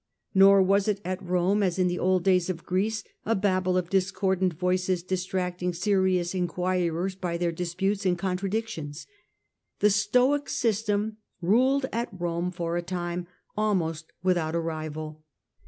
Nor was it at Rome, as in the old days of Greece, a Babel of discordant voices distracting serious enquirers by their disputes and contradictions. The Stoic system ruled at Rome for a time almost with out a rival.